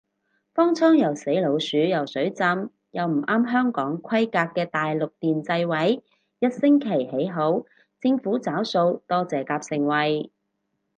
方艙又死老鼠又水浸又唔啱香港規格嘅大陸電掣位，一星期起好，政府找數多謝夾盛惠